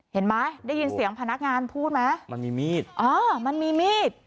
เห็นไหมได้ยินเสียงพนักงานพูดไหมมันมีมีดอ๋อมันมีมีด